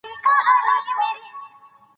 کندز سیند د افغانستان د اقلیمي نظام ښکارندوی دی.